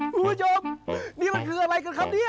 คุณผู้ชมนี่มันคืออะไรกันครับเนี่ย